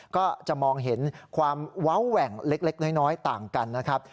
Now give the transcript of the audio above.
ก็จะมองเห็นความเว้าแหว่งเล็กน้อยต่างกันนะครับ